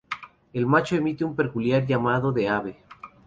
El macho emite un peculiar llamado de advertencia.